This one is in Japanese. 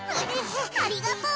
ありがとう。